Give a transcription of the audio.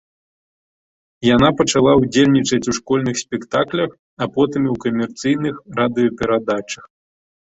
Яна пачала ўдзельнічаць у школьных спектаклях, а потым і ў камерцыйных радыёперадачах.